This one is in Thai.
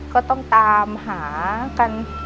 ก็ต้องตามหากัน